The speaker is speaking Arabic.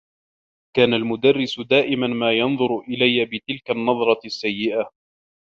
كان المدرّس دائما ما ينظر إليّ بتلك النّظرة السّيّئة.